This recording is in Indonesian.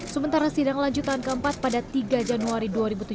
sementara sidang lanjutan keempat pada tiga januari dua ribu tujuh belas